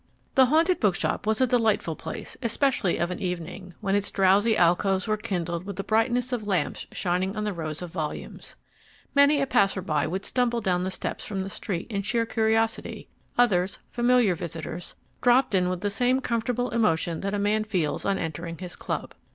The Haunted Bookshop was a delightful place, especially of an evening, when its drowsy alcoves were kindled with the brightness of lamps shining on the rows of volumes. Many a passer by would stumble down the steps from the street in sheer curiosity; others, familiar visitors, dropped in with the same comfortable emotion that a man feels on entering his club.